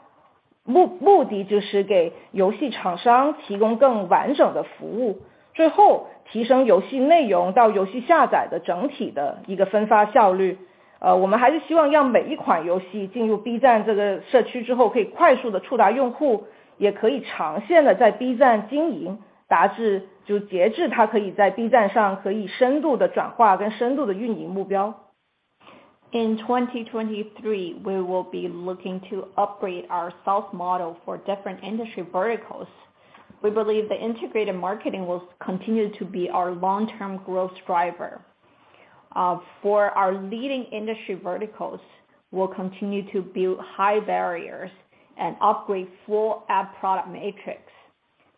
目， 目的就是给游戏厂商提供更完整的服务。最后提升游戏内容到游戏下载的整体的一个分发效率。呃， 我们还是希望让每一款游戏进入 B 站这个社区之 后， 可以快速地触达用 户， 也可以长线地在 B 站经 营， 达 至， 就截至它可以在 B 站上可以深度地转化跟深度地运营目标。In 2023, we will be looking to upgrade our sales model for different industry verticals. We believe that integrated marketing will continue to be our long term growth driver. For our leading industry verticals, we'll continue to build high barriers and upgrade full ad product matrix,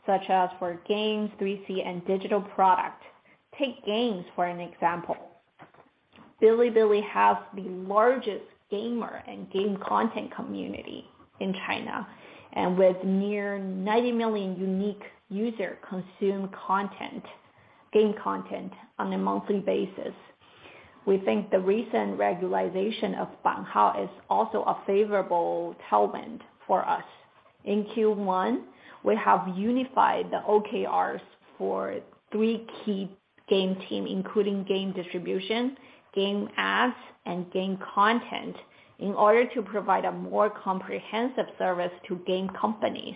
such as for games, 3C and digital product. Take games for an example. Bilibili has the largest gamer and game content community in China, and with near 90 million unique user consume content, game content on a monthly basis. We think the recent regularization of 版号 is also a favorable tailwind for us. In Q1, we have unified the OKRs for three key game team, including game distribution, game ads and game content, in order to provide a more comprehensive service to game companies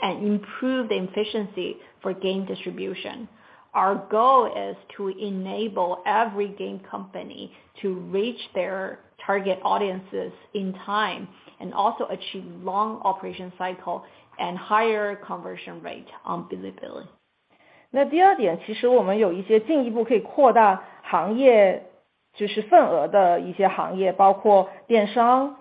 and improve the efficiency for game distribution. Our goal is to enable every game company to reach their target audiences in time, and also achieve long operation cycle and higher conversion rate on Bilibili. 那第二 点， 其实我们有一些进一步可以扩大行业就是份额的一些行 业， 包括电商、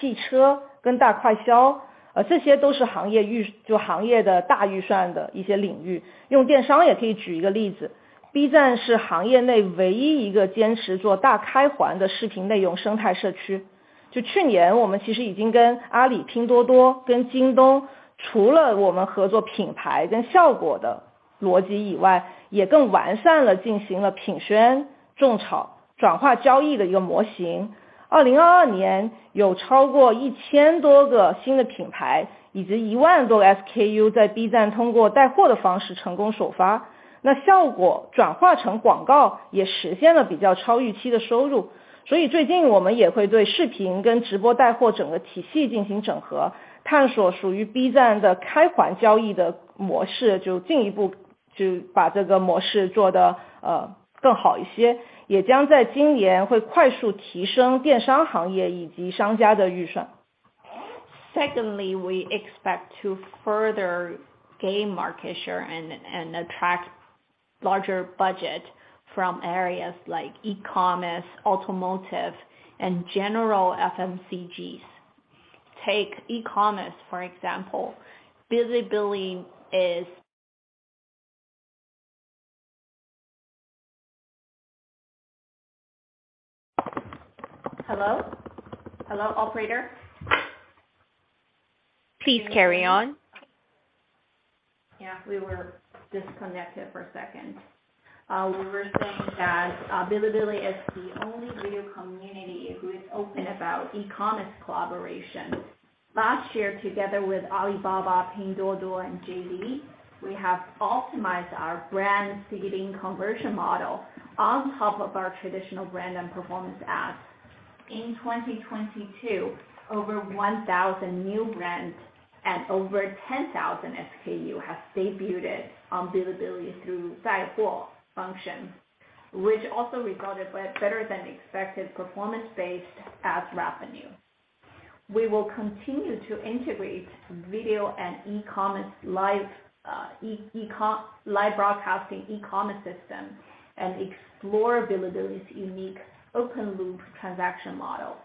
汽车跟大快 消， 而这些都是行业 预， 就行业的大预算的一些领域。用电商也可以举一个例子 ，B 站是行业内唯一一个坚持做大开环的视频内容生态社区。就去年我们其实已经跟阿里、拼多多跟京东，除了我们合作品牌跟效果的逻辑以 外， 也更完善了进行了品宣、种草、转化交易的一个模型。2022 年有超过一千多个新的品 牌， 以及一万多个 SKU 在 B 站通过带货的方式成功首 发， 那效果转化成广告也实现了比较超预期的收入。所以最近我们也会对视频跟直播带货整个体系进行整合，探索属于 B 站的开环交易的模 式， 就进一步就把这个模式做得 呃， 更好一 些， 也将在今年会快速提升电商行业以及商家的预算。Secondly, we expect to further gain market share and attract larger budget from areas like e-commerce, automotive and general FMCGs. Take e-commerce, for example. Hello? Hello, operator. Please carry on. Yeah, we were disconnected for a second. We were saying that Bilibili is the only video community who is open about e-commerce collaboration. Last year, together with Alibaba, Pinduoduo, and JD, we have optimized our brand seeding conversion model on top of our traditional brand and performance ads. In 2022, over 1,000 new brands and over 10,000 SKU have debuted on Bilibili through 带货 function, which also resulted with better than expected performance-based ads revenue. We will continue to integrate video and e-commerce live broadcasting e-commerce system and explore Bilibili's unique open-loop transaction model.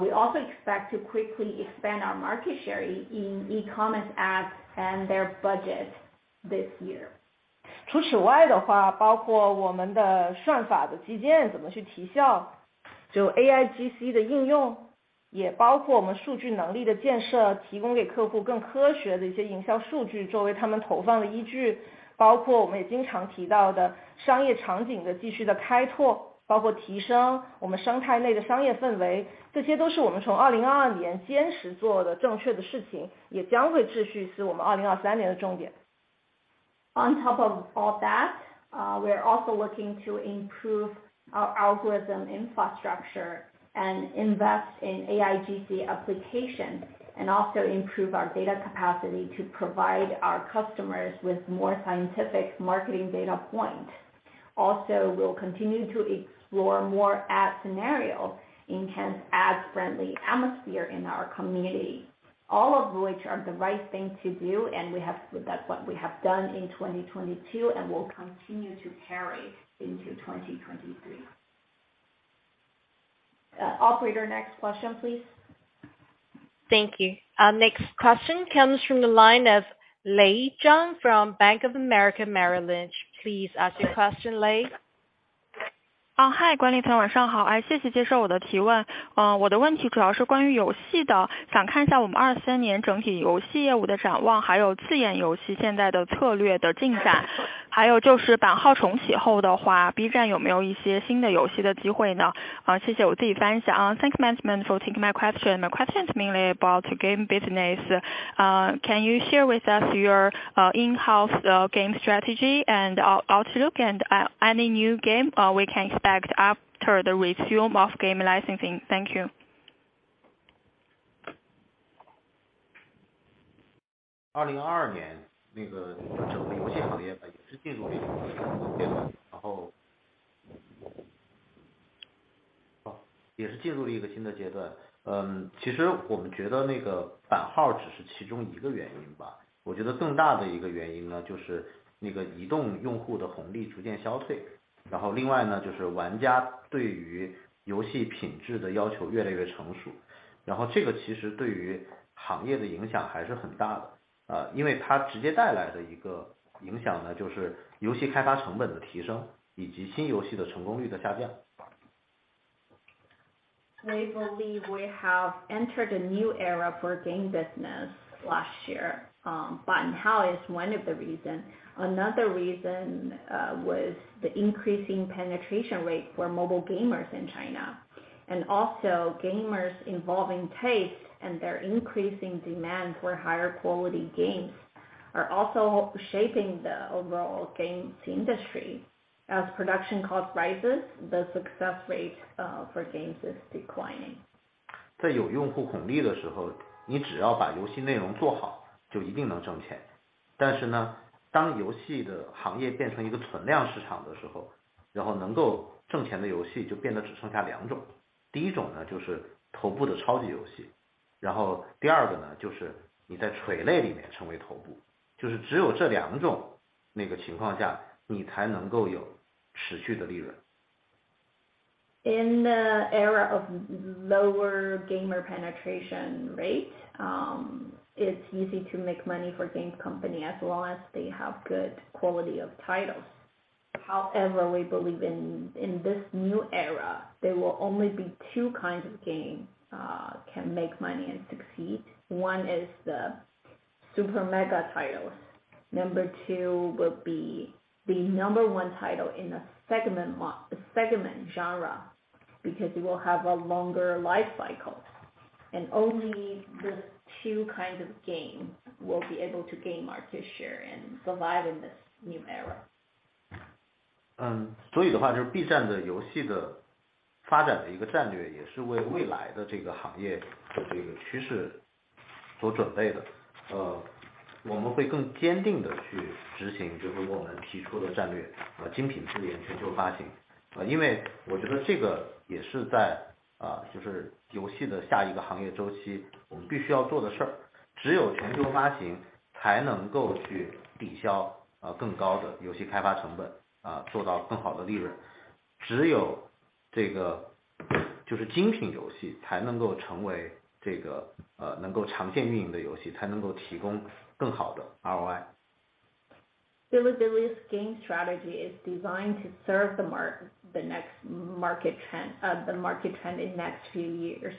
We also expect to quickly expand our market share in e-commerce ads and their budget this year. 除此外的 话， 包括我们的算法的基建怎么去提 效， 就 AIGC 的应 用， 也包括我们数据能力的建 设， 提供给客户更科学的一些营销数据作为他们投放的依 据， 包括我们也经常提到的商业场景的继续的开 拓， 包括提升我们生态内的商业氛 围， 这些都是我们从二零二二年坚持做的正确的事 情， 也将会持续是我们二零二三年的重点。On top of all that, we're also looking to improve our algorithm infrastructure and invest in AIGC application, and also improve our data capacity to provide our customers with more scientific marketing data point. We'll continue to explore more ad scenarios, enhance ads friendly atmosphere in our community, all of which are the right thing to do, that's what we have done in 2022 and will continue to carry into 2023. Operator, next question please. Thank you. Next question comes from the line of Lei Zhang from Bank of America Merrill Lynch. Please ask your question, Lei. Hi. 管理层晚上好。谢谢接受我的提问。我的问题主要是关于游戏的。想看一下我们 2023 年整体游戏业务的展望，还有自研游戏现在的策略的进展。还有就是版号重启后的话，B站有没有一些新的游戏的机会呢？谢谢。我自已翻译一下。Thanks management for taking my question. My question is mainly about game business. Can you share with us your in-house game strategy and outlook and any new game we can expect after the resume of game licensing? Thank you. 二零二二 年， 那个整个游戏行业也是进入了一个新的阶 段， 然 后... 好， 也是进入了一个新的阶段。嗯， 其实我们觉得那个版号只是其中一个原因吧。我觉得更大的一个原因 呢， 就是那个移动用户的红利逐渐消退。然后另外 呢， 就是玩家对于游戏品质的要求越来越成 熟， 然后这个其实对于行业的影响还是很大 的， 呃， 因为它直接带来的一个影响 呢， 就是游戏开发成本的提 升， 以及新游戏的成功率的下降。We believe we have entered a new era for game business last year. 版号 is one of the reason. Another reason was the increasing penetration rate for mobile gamers in China. Gamers involving taste and their increasing demand for higher quality games are also shaping the overall games industry. As production cost rises, the success rate for games is declining. 在有用户红利的时 候， 你只要把游戏内容做 好， 就一定能挣钱。当游戏的行业变成一个存量市场的时 候， 然后能够挣钱的游戏就变得只剩下2 种。第1种 呢， 就是头部的超级游戏。然后第2个 呢， 就是你在垂类里面成为头 部， 就是只有这2种那个情况 下， 你才能够有持续的利润。In the era of lower gamer penetration rate, it's easy to make money for games company as long as they have good quality of titles. However, we believe in this new era, there will only be two kinds of game can make money and succeed. One is the super mega titles. Number two will be the number one title in a segment genre because it will have a longer life cycle. Only the two kinds of game will be able to gain market share and survive in this new era. 就是 B 站的游戏的发展的一个战 略， 也是为未来的这个行业和这个趋势做准备的。我们会更坚定地去执 行， 就是我们提出的战略和精品自研全球发行。我觉得这个也是 在， 就是游戏的下一个行业周期我们必须要做的事。全球发行才能够去抵 消， 更高的游戏开发成 本， 做到更好的利润。这 个， 就是精品游戏才能够成为这 个， 能够长线运营的游 戏， 才能够提供更好的 ROI。Bilibili's game strategy is designed to serve the market trend in next few years.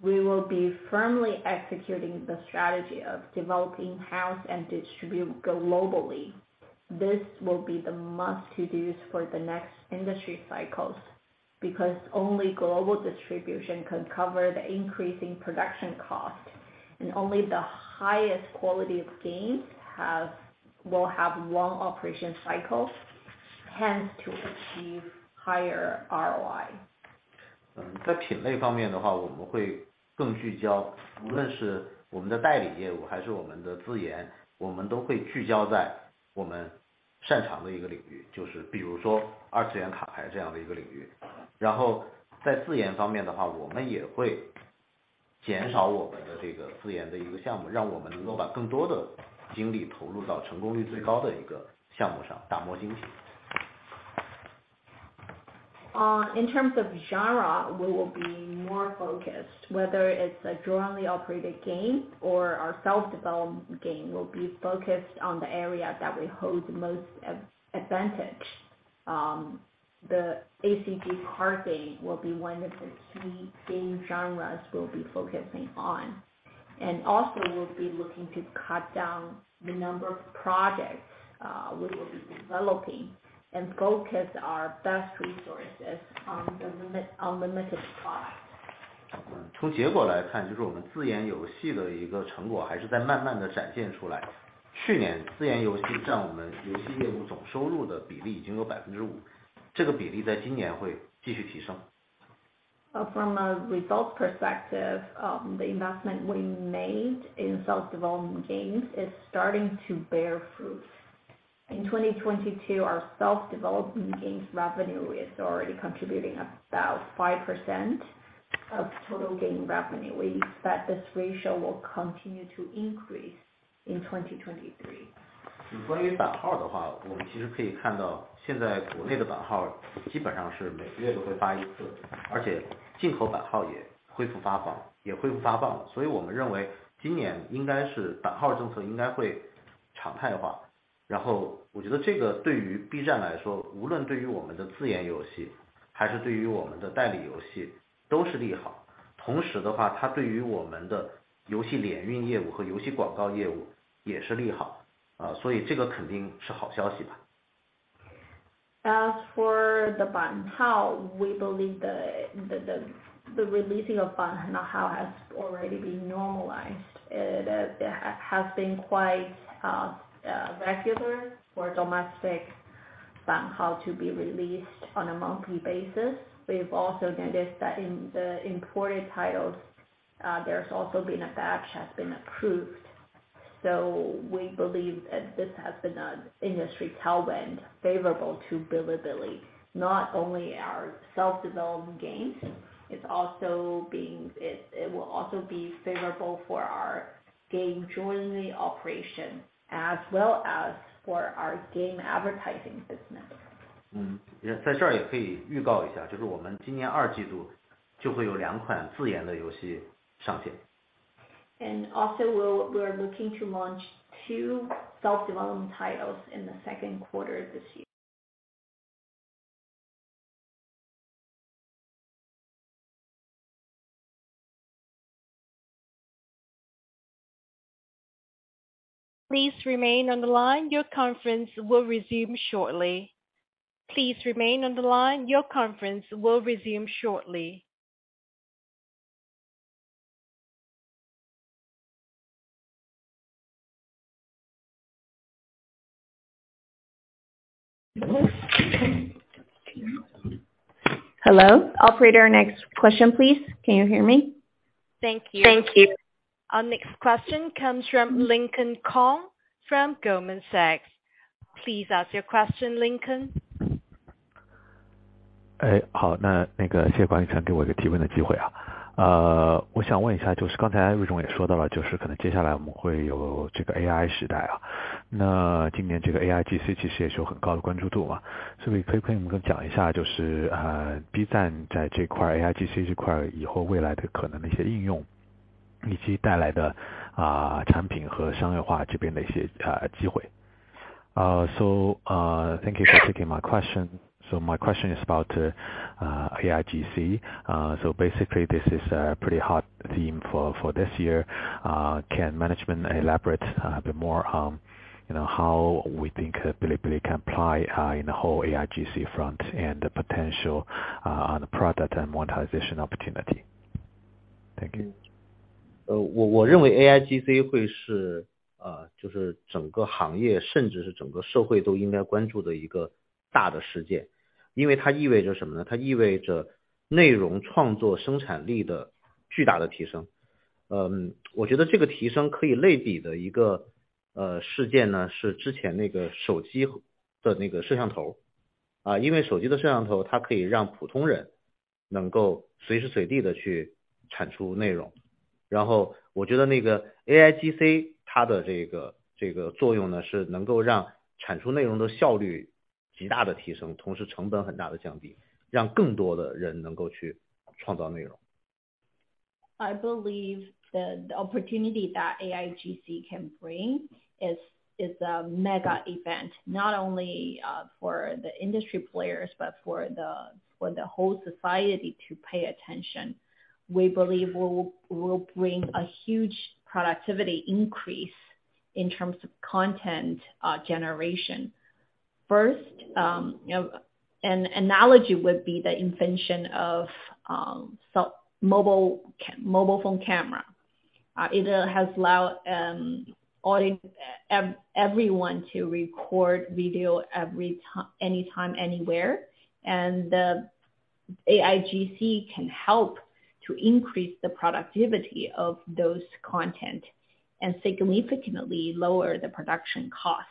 We will be firmly executing the strategy of developing in-house and distribute globally. This will be the must to do's for the next industry cycles, because only global distribution can cover the increasing production cost, and only the highest quality of games will have long operation cycles, hence to achieve higher ROI. 在品类方面的 话， 我们会更聚 焦， 无论是我们的代理业务还是我们的自 研， 我们都会聚焦在我们擅长的一个领 域， 就是比如说二次元卡牌这样的一个领域。然后在自研方面的 话， 我们也会减少我们的这个自研的一个项 目， 让我们能够把更多的精力投入到成功率最高的一个项目 上， 打磨精品。In terms of genre, we will be more focused, whether it's a jointly operated game or our self-developed game will be focused on the area that we hold most ad-advantage. The ACG card game will be one of the key game genres we'll be focusing on. We'll be looking to cut down the number of projects, we will be developing and focus our best resources on the limited product. 从结果来 看， 就是我们自研游戏的一个成果还是在慢慢地展现出来。去年自研游戏占我们游戏业务总收入的比例已经有百分之 五， 这个比例在今年会继续提升。From a results perspective, the investment we made in self-development games is starting to bear fruit. In 2022 our self-development games revenue is already contributing about 5% of total game revenue. We expect this ratio will continue to increase in 2023. 关于版号的 话， 我们其实可以看 到， 现在国内的版号基本上是每个月都会发一 次， 而且进口版号也恢复发放了。我们认为今年应该是版号政策应该会常态化。我觉得这个对于 B站 来 说， 无论对于我们的自研游戏还是对于我们的代理游戏都是利好。同时的 话， 它对于我们的游戏联运业务和游戏广告业务也是利好，所以这个肯定是好消息吧。As for the 版 号, we believe the releasing of 版号 has already been normalized. It has been quite regular for domestic 版号 to be released on a monthly basis. We have also noticed that in the imported titles, there's also been a batch has been approved. We believe that this has been an industry tailwind favorable to Bilibili, not only our self-development games, it will also be favorable for our game jointly operation as well as for our game advertising business. 嗯， 在这儿也可以预告一 下， 就是我们今年二季度就会有两款自研的游戏上线。We are looking to launch two self-development titles in the second quarter of this year. Please remain on the line. Your conference will resume shortly. Please remain on the line. Your conference will resume shortly. Hello, operator, next question please. Can you hear me? Thank you. Thank you. Our next question comes from Lincoln Kong from Goldman Sachs. Please ask your question, Lincoln. 好，那个谢谢郭毅晨给我一个提问的机会。我想问一下，就是刚才威总也说到了，就是可能接下来我们会有这个AI时代，那今年这个AIGC其实也是有很高的关注度嘛，所以可以不可以给我们讲一下，就是B站在这块AIGC这块以后未来的可能的一些应用，以及带来的产品和商业化这边的一些机会。Thank you for taking my question. My question is about AIGC. Basically, this is a pretty hot theme for this year. Can management elaborate a bit more, you know, how we think Bilibili can apply in the whole AIGC front and the potential on the product and modernization opportunity. Thank you. 我认为 AIGC 会是就是整个行业甚至是整个社会都应该关注的一个大的事 件. 它意味着什么 呢? 它意味着内容创作生产力的巨大的提 升. 我觉得这个提升可以类比的一个事件 呢, 是之前那个手机的那个摄像 头, 手机的摄像头它可以让普通人能够随时随地的去产出内 容. 我觉得那个 AIGC 它的这个作用 呢, 是能够让产出内容的效率极大地提 升, 同时成本很大地降 低, 让更多的人能够去创造内 容. I believe the opportunity that AIGC can bring is a mega event not only for the industry players, but for the whole society to pay attention. We believe will bring a huge productivity increase in terms of content generation. First, you know, an analogy would be the invention of cell mobile phone camera. It has allow everyone to record video anytime, anywhere. The AIGC can help to increase the productivity of those content and significantly lower the production cost.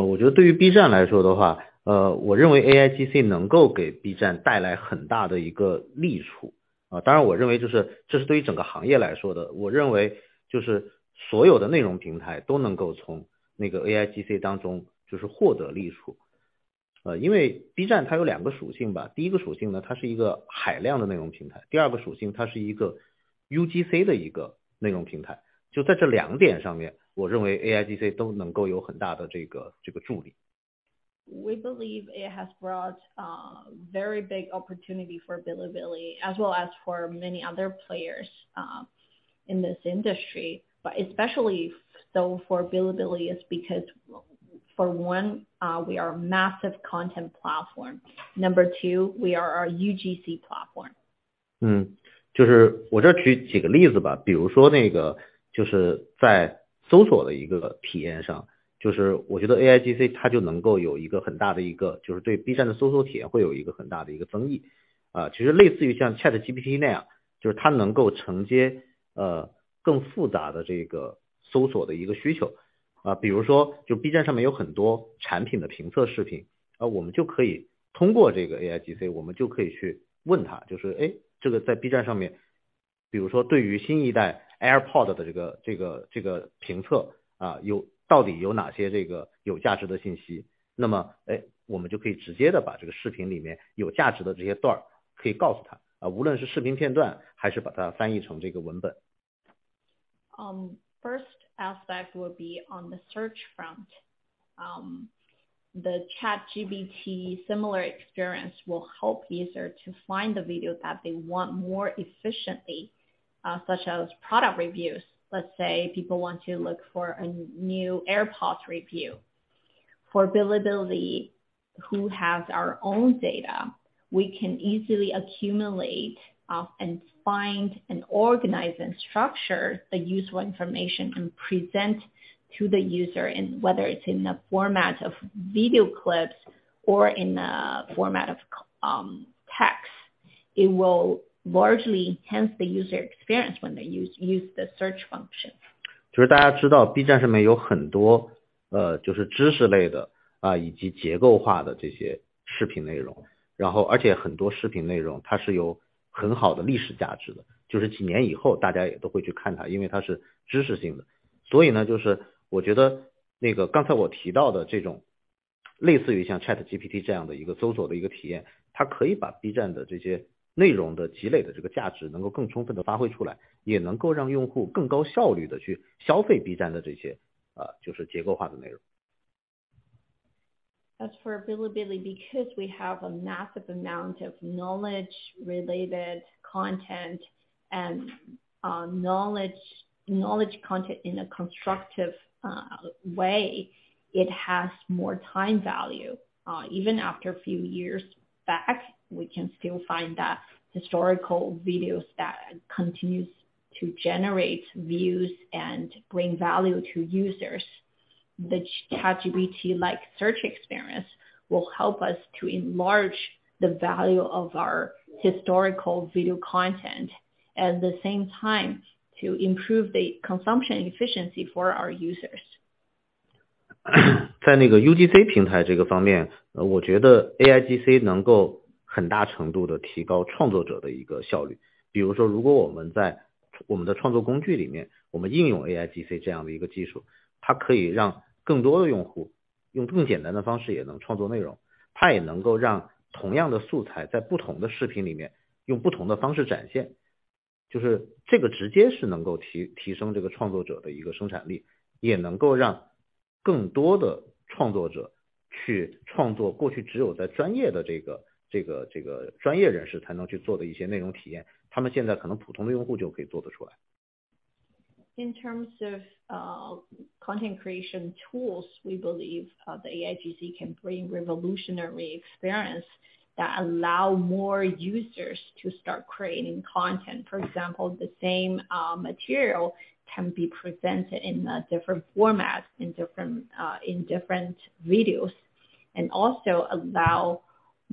我觉得对于 B 站来说的 话， 我认为 AIGC 能够给 B 站带来很大的一个利处。当然我认为就是这是对于整个行业来说 的， 我认为就是所有的内容平台都能够从那个 AIGC 当中就是获得利处。因为 B 站它有两个属性 吧， 第一个属性 呢， 它是一个海量的内容平 台， 第二个属性它是一个 UGC 的一个内容平台。就在这两点上 面， 我认为 AIGC 都能够有很大的这个助力。We believe it has brought a very big opportunity for Bilibili as well as for many other players in this industry, but especially so for Bilibili is because for one, we are a massive content platform. Number two, we are a UGC platform. 就是我这儿举个例子吧。比如说那个就是在搜索的一个体验 上， 就是我觉得 AIGC 它就能够有一个很大的一 个， 就是对 B 站的搜索体验会有一个很大的一个增益。其实类似于像 ChatGPT 那 样， 就是它能够承接更复杂的这个搜索的一个需求。比如说就 B 站上面有很多产品的评测视频。我们就可以通过这个 AIGC， 我们就可以去问 它， 就 是， 这个在 B 站上 面， 比如说对于新一代 AirPods 的这个评 测， 到底有哪些这个有价值的信息。那 么， 我们就可以直接地把这个视频里面有价值的这些段可以告诉 它， 无论是视频片 段， 还是把它翻译成这个文本。First aspect will be on the search front. The ChatGPT similar experience will help user to find the video that they want more efficiently, such as product reviews. Let's say people want to look for a new AirPods review. For Bilibili who has our own data, we can easily accumulate and find and organize and structure the useful information and present to the user in whether it's in a format of video clips or in a format of text, it will largely enhance the user experience when they use the search function. 就是大家知道 B站 上面有很 多， 就是知识类 的， 以及结构化的这些视频内容。而且很多视频内容它是有很好的历史价值 的， 就是几年以后大家也都会去看 它， 因为它是知识性的。就是我觉得那个刚才我提到的这种类似于像 ChatGPT 这样的一个搜索的一个体 验， 它可以把 B站 的这些内容的积累的这个价值能够更充分地发挥出 来， 也能够让用户更高效率地去消费 B站 的这 些， 就是结构化的内容。As for Bilibili, because we have a massive amount of knowledge-related content and our Knowledge content in a constructive way, it has more time value. Even after a few years back, we can still find that historical videos that continues to generate views and bring value to users. The ChatGPT like search experience will help us to enlarge the value of our historical video content, at the same time, to improve the consumption efficiency for our users. In terms of content creation tools, we believe the AIGC can bring revolutionary experience that allow more users to start creating content. For example, the same material can be presented in a different format in different in different videos. Also allow many users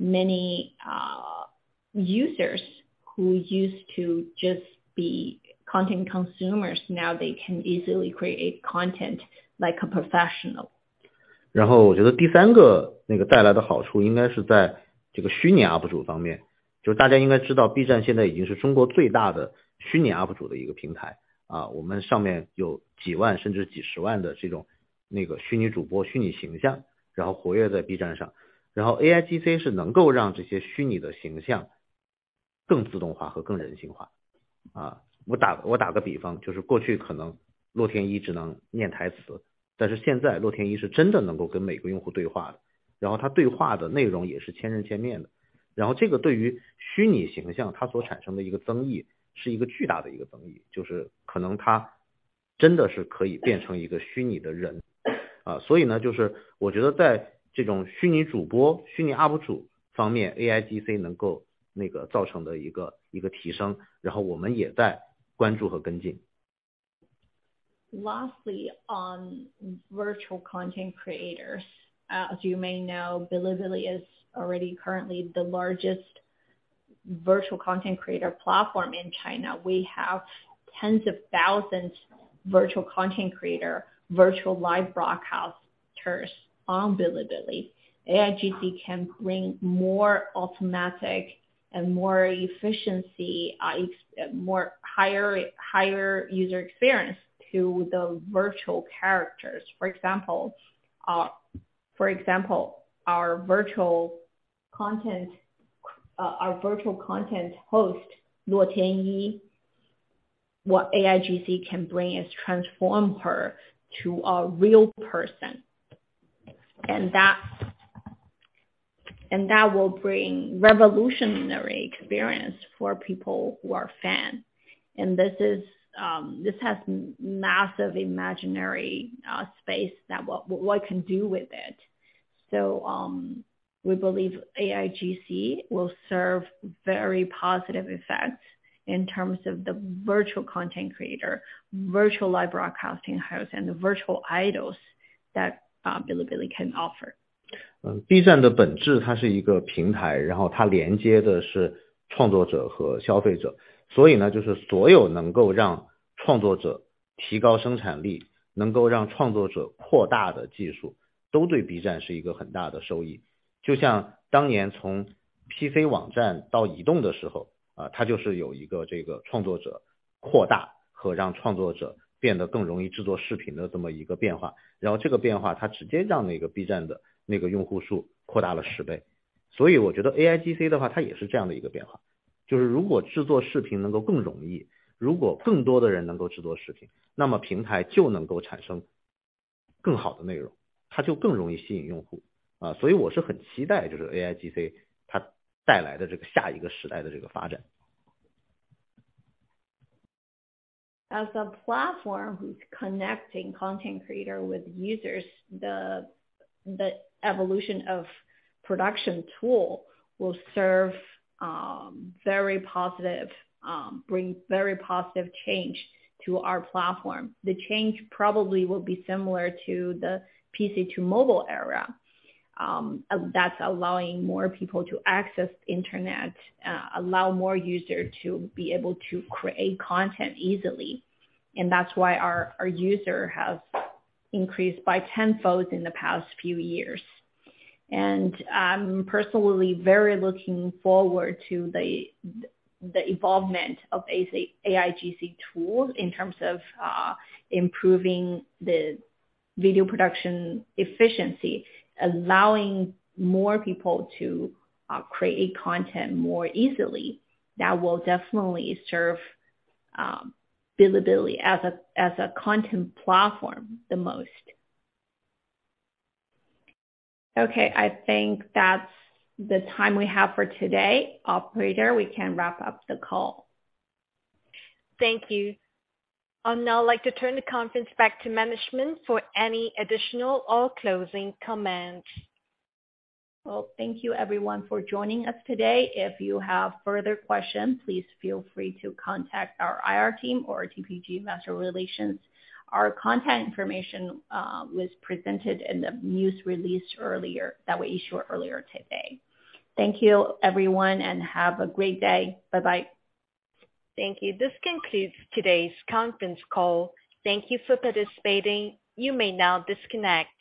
who used to just be hosts on Bilibili. AIGC can bring more automatic and more efficiency, more higher user experience to the virtual characters. For example, our virtual content host, Luo Tianyi, what AIGC can bring is transform her to a real person. And that will bring revolutionary experience for people who are fan. This is, this has massive imaginary space that what can do with it. We believe AIGC will serve very positive effects in terms of the virtual content creator, virtual live broadcasting hosts, and the virtual idols that Bilibili can offer. Bilibili is essentially a platform, and it connects creators and consumers. Any technology that can improve the productivity of creators or expand the reach of creators is a great benefit to Bilibili. Just like when we moved from PC websites to mobile in the past, it was a change that expanded creators and made it easier for them to produce videos. That change directly increased Bilibili's user base by a factor of 10. I think AIGC is a similar kind of change. If making videos becomes easier, and more people can create videos, then the platform can produce better content, and it becomes more attractive to users. I’m really looking forward to the next era of development that AIGC will bring. As a platform who's connecting content creator with users, the evolution of production tool will serve very positive, bring very positive change to our platform. The change probably will be similar to the PC to mobile era, that's allowing more people to access internet, allow more user to be able to create content easily. That's why our user has increased by tenfolds in the past few years. I'm personally very looking forward to the involvement of AIGC tools in terms of improving the video production efficiency, allowing more people to create content more easily. That will definitely serve Bilibili as a content platform the most. Okay. I think that's the time we have for today. Operator, we can wrap up the call. Thank you. I'll now like to turn the conference back to management for any additional or closing comments. Well, thank you everyone for joining us today. If you have further questions, please feel free to contact our IR team or TPG Investor Relations. Our contact information was presented in the news release earlier, that we issued earlier today. Thank you everyone, and have a great day. Bye-bye. Thank you. This concludes today's conference call. Thank you for participating. You may now disconnect.